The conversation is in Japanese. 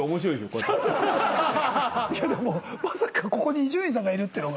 いやでもまさかここに伊集院さんがいるってのが。